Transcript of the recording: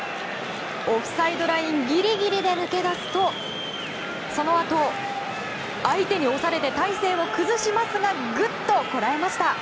オフサイドラインギリギリで抜け出すとそのあと、相手に押されて体勢を崩しますがぐっとこらえました。